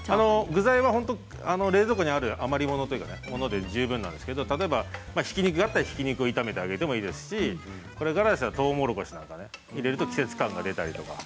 具材は冷蔵庫にある余り物で十分なんですけど例えばひき肉だったらひき肉を炒めてあげてもいいですしこれからでしたらとうもろこしなんかね入れると季節感が出たりとか。